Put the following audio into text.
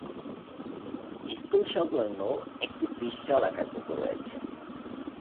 School সংলগ্ন একটি বিশালাকার পুকুর ও রয়েছে।